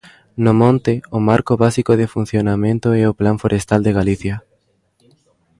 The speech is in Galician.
No monte, o marco básico de funcionamento é o Plan forestal de Galicia.